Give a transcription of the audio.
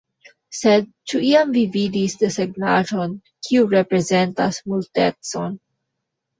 Sed, ĉu iam vi vidis desegnaĵon kiu reprezentas Multecon?